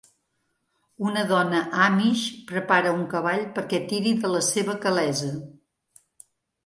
Una dona amish prepara un cavall perquè tiri de la seva calessa.